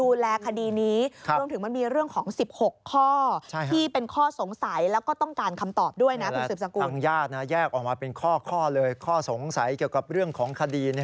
แยกออกมาเป็นข้อเลยข้อสงสัยเกี่ยวกับเรื่องของคดี